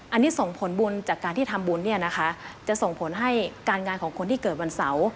อันนี้ส่งผลบุญจากการที่ทำบุญเนี่ยนะคะจะส่งผลให้การงานของคนที่เกิดวันเสาร์